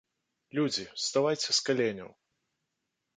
Людзі, уставайце з каленяў!